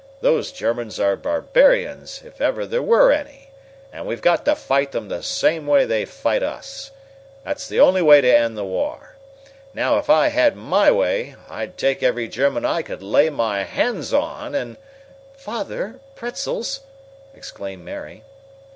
Those Germans are barbarians, if ever there were any, and we've got to fight them the same way they fight us! That's the only way to end the war! Now if I had my way, I'd take every German I could lay my hands on " "Father, pretzels!" exclaimed Mary.